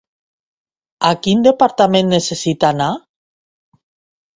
A quin departament necessita anar?